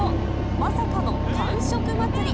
まさかの完食祭り。